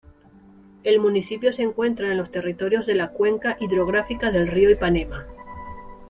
El municipio se encuentra en los territorios de la Cuenca Hidrográfica del Río Ipanema.